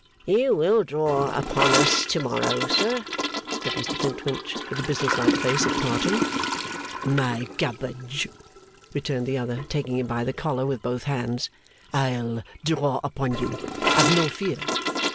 'You will draw upon us to morrow, sir,' said Mr Flintwinch, with a business like face at parting. 'My Cabbage,' returned the other, taking him by the collar with both hands, 'I'll draw upon you; have no fear.